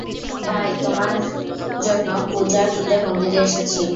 তাই তোমার জন্য পূজা দিতে মন্দিরে এসেছি।